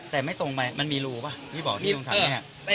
แต่ไม่ตรงไปมันมีรูปะที่บ่อนี่ตรงสามแยก